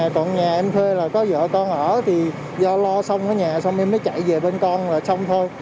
còn nhà em thuê là có vợ con ở thì do lo xong ở nhà xong em mới chạy về bên con là xong thôi